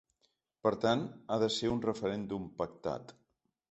Per tant, ha de ser un referèndum pactat.